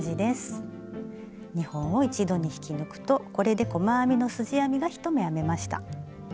２本を一度に引き抜くとこれで細編みのすじ編みが１目編めました。